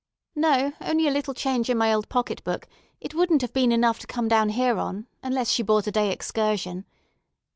"No, only a little change in my old pocketbook; it wouldn't have been enough to come down here on, unless she bought a day excursion.